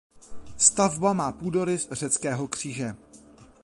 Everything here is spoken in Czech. Stavba má půdorys řeckého kříže.